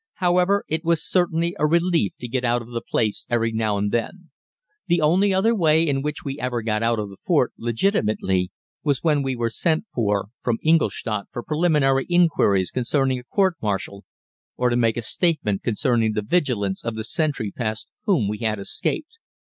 However, it was certainly a relief to get out of the place every now and then. The only other way in which we ever got out of the fort legitimately was when we were sent for from Ingolstadt for preliminary inquiries concerning a court martial, or to make a statement concerning the vigilance of the sentry past whom we had escaped.